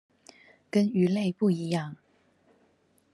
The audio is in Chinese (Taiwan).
跟魚類不一樣